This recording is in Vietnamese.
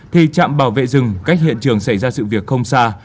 thì trạm bảo vệ rừng cách hiện trường xảy ra sự việc không xa